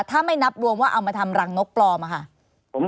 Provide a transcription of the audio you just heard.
ถ้าไม่นับรวมว่าเอามาทำรังนกปลอมอะค่ะ